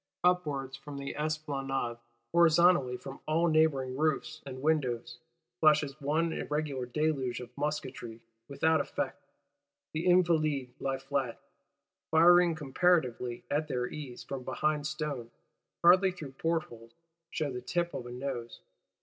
—Upwards from the Esplanade, horizontally from all neighbouring roofs and windows, flashes one irregular deluge of musketry,—without effect. The Invalides lie flat, firing comparatively at their ease from behind stone; hardly through portholes, shew the tip of a nose.